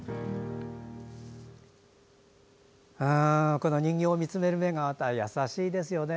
この人形を見つめる目が優しいですよね。